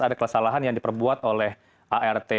ada kesalahan yang diperbuat oleh art